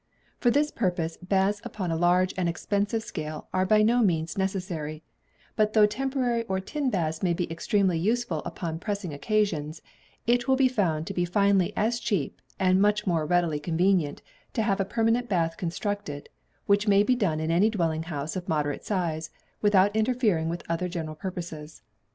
For this purpose baths upon a large and expensive scale are by no means necessary; but though temporary or tin baths may be extremely useful upon pressing occasions, it will be found to be finally as cheap, and much more readily convenient, to have a permanent bath constructed, which may be done in any dwelling house of moderate size, without interfering with other general purposes.